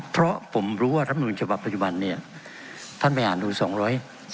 เพราะผมรู้ว่ารับหนุนฉบับปัจจุบันเนี่ยท่านไปอ่านดู๒๓๔ที่ครับ